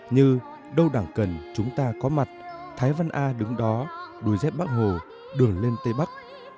như đâu đảng cần chúng ta có mặt thái văn a đứng đó đôi dép bác hồ đường lên tây bắc